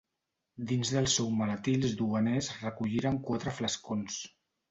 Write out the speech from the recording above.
Dins del seu maletí els duaners recolliren quatre flascons.